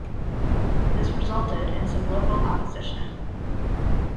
This resulted in some local opposition.